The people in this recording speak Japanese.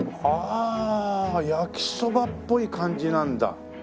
はあ焼きそばっぽい感じなんだ。